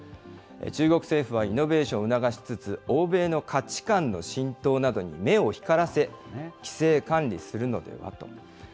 中国政府はイノベーションを促しつつ、欧米の価値観の浸透などに目を光らせ、規制・管理するのではと。